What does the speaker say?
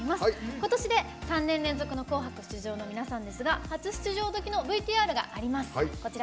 今年で３年連続の「紅白」出場の皆さんですが初出場のときのＶＴＲがあります。